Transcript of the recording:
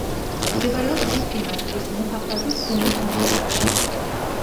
მდებარეობს რიფ-დიმაშკის მუჰაფაზის დუმის მინტაკაში.